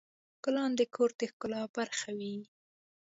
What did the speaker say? ګلان د کور د ښکلا برخه وي.